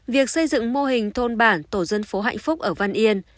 việc xây dựng mô hình thôn bản tổ dân phố hạnh phúc ở văn yên